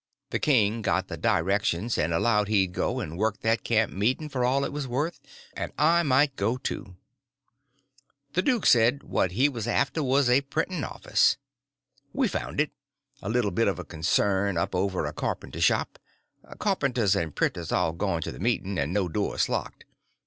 The king got the directions, and allowed he'd go and work that camp meeting for all it was worth, and I might go, too. The duke said what he was after was a printing office. We found it; a little bit of a concern, up over a carpenter shop—carpenters and printers all gone to the meeting, and no doors locked.